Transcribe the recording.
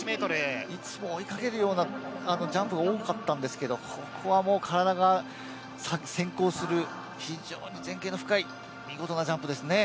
いつも追いかけるようなジャンプが多かったんですけどここは体が先行する非常に前傾の深い見事なジャンプです。